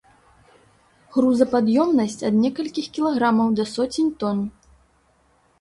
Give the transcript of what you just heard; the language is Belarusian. Грузапад'ёмнасць ад некалькіх кілаграмаў да соцень тон.